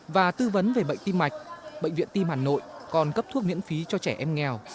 và tư vấn về bệnh tim mạch bệnh viện tim hà nội còn cấp thuốc miễn phí cho trẻ em nghèo